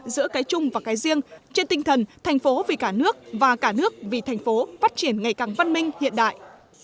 giữa cái chung và cái riêng trên tinh thần thành phố vì cả nước và cả nước vì thành phố phát triển ngày càng văn minh hiện đại